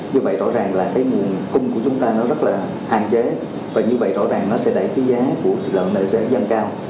như vậy rõ ràng là cái nguồn cung của chúng ta nó rất là hạn chế và như vậy rõ ràng nó sẽ đẩy cái giá của thịt lợn này sẽ dâng cao